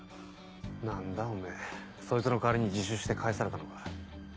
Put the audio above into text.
何だおめぇそいつの代わりに自首して帰されたのか。